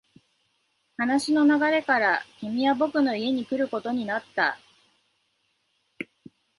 話の流れから、君は僕の家に来ることになった。